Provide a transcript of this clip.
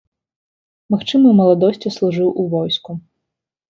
Магчыма, у маладосці служыў у войску.